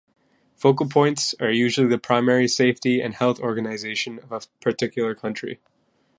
Focal points are usually the primary safety and health organisation of a particular country.